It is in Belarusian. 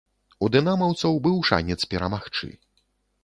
У дынамаўцаў быў шанец перамагчы.